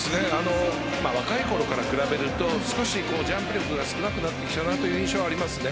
若いころから比べると少しジャンプ力が少なくなってきたなという印象はありますね。